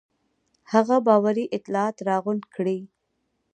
هغه باوري اطلاعات راغونډ کړي.